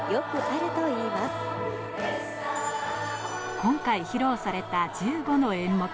今回披露された１５の演目。